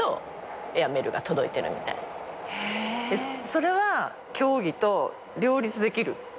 それは競技と両立できる？